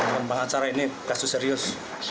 pengembangan acara ini kasus serius